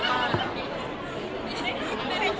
ตอนอะไรอยู่